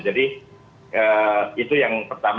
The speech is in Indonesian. jadi itu yang pertama